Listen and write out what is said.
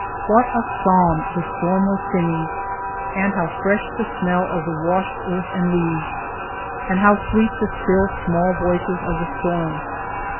What a psalm the storm was singing, and how fresh the smell of the washed earth and leaves, and how sweet the still small voices of the storm!